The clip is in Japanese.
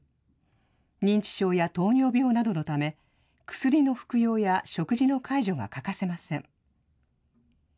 認知症や糖尿病などのため、薬の服用や食事の介助が欠かせません。